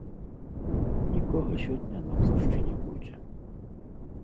Нікога сёння на плошчы не будзе.